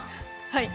はい。